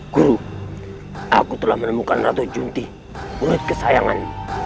guru aku telah menemukan ratu junti kulit kesayangan